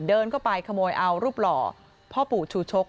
เดินเข้าไปขโมยเอารูปหล่อพ่อปู่ชูชก